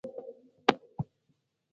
وروسته بیا کندهار ته روان دی.